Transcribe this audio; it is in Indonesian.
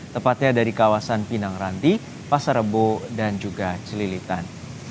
tepatnya dari kawasan pinang ranti pasar rebo dan juga celilitan